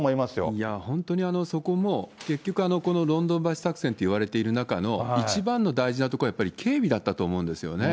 いや、本当にそこも、結局、このロンドン橋作戦といわれている中の、一番の大事なところは、やっぱり警備だったと思うんですよね。